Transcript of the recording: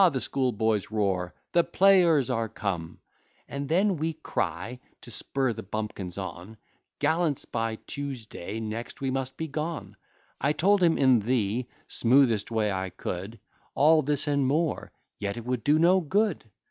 (the schoolboys roar) the players are come; And then we cry, to spur the bumpkins on, Gallants, by Tuesday next we must be gone. I told him in the smoothest way I could, All this, and more, yet it would do no good.